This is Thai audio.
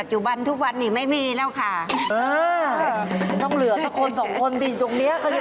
ฉันว่าเย็นนี้แหละโดนกลับแม่เลย